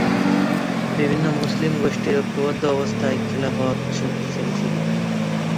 বিভিন্ন মুসলিম গোষ্ঠীর ঐক্যবদ্ধ অবস্থায় খিলাফত শক্তিশালী ছিল।